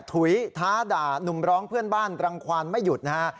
ถุยท้าด่านุ่มร้องเพื่อนบ้านรังความไม่หยุดนะฮะ